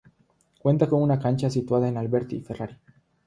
Cuenta con una Cancha situada en Alberti y Ferrari.